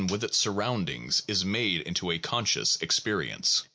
with its surroundings is made into a conscious experience.